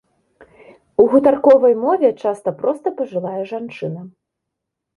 У гутарковай мове часта проста пажылая жанчына.